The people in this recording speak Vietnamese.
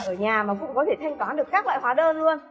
ở nhà mà cũng có thể thanh toán được các loại hóa đơn luôn